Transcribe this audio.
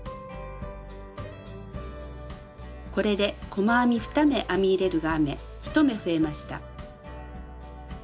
これで細編み２目編み入れるが編め１目増えました。